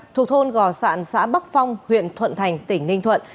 thuộc thôn gò sạn xã bắc phong huyện thuận thành tỉnh ninh thuận